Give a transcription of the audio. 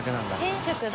天職だ。